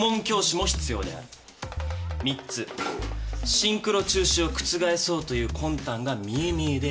シンクロ中止を覆そうという魂胆が見え見えである。